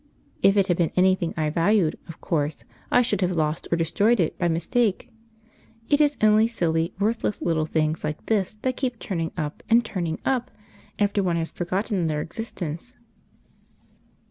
If it had been anything I valued, of course I should have lost or destroyed it by mistake; it is only silly, worthless little things like this that keep turning up and turning up after one has forgotten their existence.